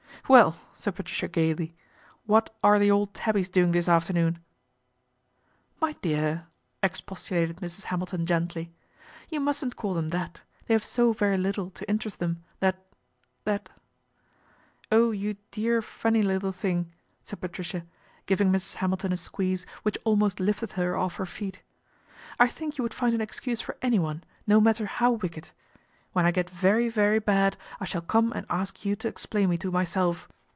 ' Well," said Patricia gaily, " what are the old tabbies doing this afternoon ?"" My dear !" expostulated Mrs. Hamilton gently, " you mustn't call them that, they have so very little to interest them that that "" Oh, you dear, funny little thing !" said Pat ricia, giving Mrs. Hamilton a squeeze which almost lifted her off her feet. " I think you would find an excuse for anyone, no matter how wicked. When I get very, very bad I shall come and ask you to explain me to myself.